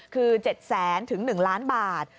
คือ๗แสนถึง๑ล้านบาท